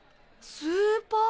スーパー。